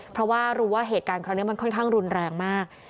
เพราะว่ารู้ว่าเหตุการณ์ครั้งนี้มันค่อนข้างรุนแรงมาก